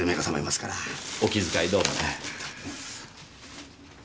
お気遣いどうも。